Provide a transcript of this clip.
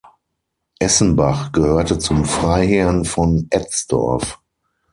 Essenbach gehörte dem Freiherrn von Etzdorf.